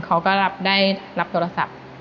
เขาก็ได้รับโทรศัพท์